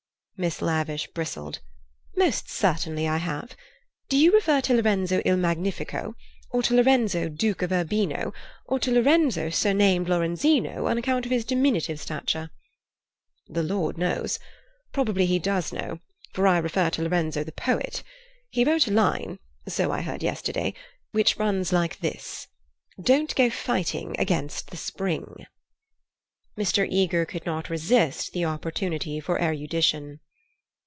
Miss Lavish bristled. "Most certainly I have. Do you refer to Lorenzo il Magnifico, or to Lorenzo, Duke of Urbino, or to Lorenzo surnamed Lorenzino on account of his diminutive stature?" "The Lord knows. Possibly he does know, for I refer to Lorenzo the poet. He wrote a line—so I heard yesterday—which runs like this: 'Don't go fighting against the Spring.'" Mr. Eager could not resist the opportunity for erudition.